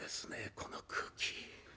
この空気。